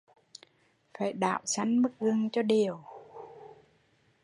Phải đảo xanh mứt gừng cho đều